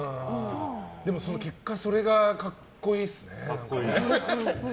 結果それが格好いいですね。